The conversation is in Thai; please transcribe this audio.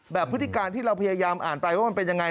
พฤติการที่เราพยายามอ่านไปว่ามันเป็นยังไง